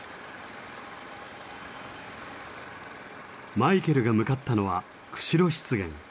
マイケルが向かったのは釧路湿原。